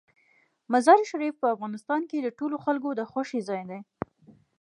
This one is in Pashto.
مزارشریف په افغانستان کې د ټولو خلکو د خوښې ځای دی.